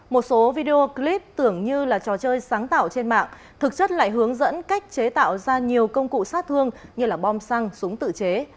một số video clip tưởng như là trò chơi sáng tạo trên mạng thực chất lại hướng dẫn cách chế tạo ra nhiều công cụ sát thương như bom xăng súng tự chế